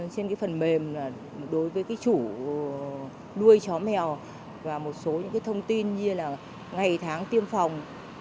trên cái phần mềm là đối với cái chủ nuôi chó mèo và một số những cái thông tin như là ngày tháng tiêm phòng